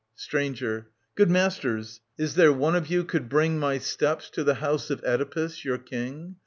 Stranger. Good masters, is there one of you could bring My steps to the house of Oedipus, your King